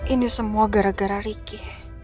ini semua gara gara riki